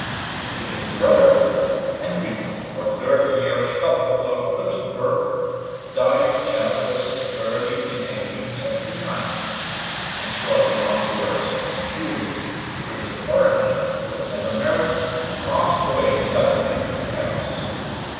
The king's brother, Henry, for thirty years Stadholder of Luxemburg, died childless early in 1879; and shortly afterwards in June the Prince of Orange, who had never married, passed away suddenly at Paris.